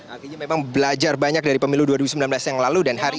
artinya memang belajar banyak dari pemilu dua ribu sembilan belas yang lalu dan hari ini